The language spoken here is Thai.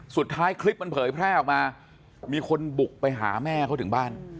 คลิปมันเผยแพร่ออกมามีคนบุกไปหาแม่เขาถึงบ้าน